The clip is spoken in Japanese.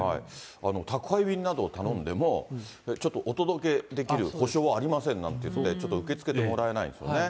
宅配便などを頼んでも、ちょっとお届けできる保証はありませんなんて、ちょっと受け付けてもらえないんですよね。